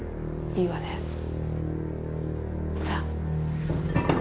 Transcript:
いいわね？さ。